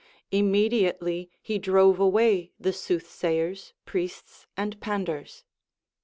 Immediately he drove away the soothsayers, priests, and panders.